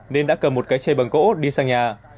nên đã cầm một cái chê bằng gỗ đi sang nhà